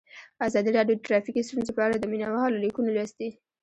ازادي راډیو د ټرافیکي ستونزې په اړه د مینه والو لیکونه لوستي.